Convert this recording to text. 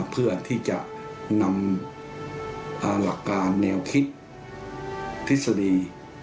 เพื่อที่จะนำหลักการแนวคิดทฤษฎี